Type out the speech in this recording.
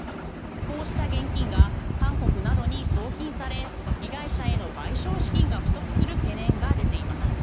こうした現金が韓国などに送金され被害者への賠償資金が不足する懸念が出ています。